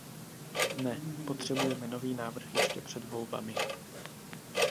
Ne, potřebujeme nový návrh ještě před volbami.